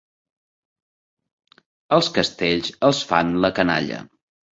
Els castells els fan la canalla.